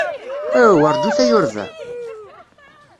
Aw, rjut ay urbaɛ!